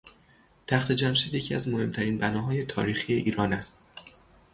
تختجمشید یکی از مهمترین بناهای تاریخی ایران است.